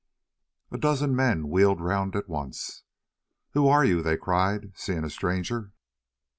A dozen men wheeled round at once. "Who are you?" they cried, seeing a stranger.